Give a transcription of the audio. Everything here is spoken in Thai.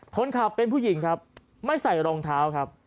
คนขับเป็นผู้หญิงครับไม่ใส่รองเท้าครับ